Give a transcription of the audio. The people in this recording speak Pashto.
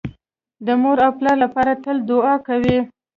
د مور او پلار لپاره تل دوعا کوئ